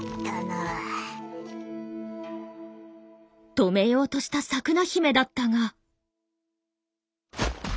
止めようとしたサクナヒメだったが。